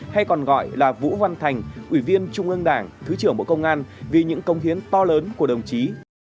hay còn gọi là vũ văn thành ủy viên trung ương đảng thứ trưởng bộ công an vì những công hiến to lớn của đồng chí